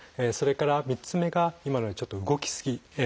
それから３つ目が今のようにちょっと「動きすぎ」。